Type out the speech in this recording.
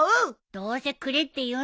どうせくれって言うんでしょ。